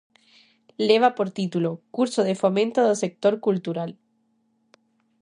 Leva por título "Curso de fomento do sector cultural".